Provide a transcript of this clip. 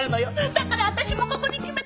だから私もここに決めたの！